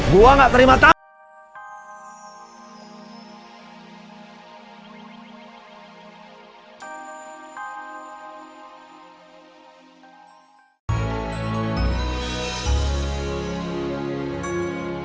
gue gak terima tangan